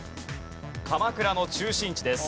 鎌倉の中心地です。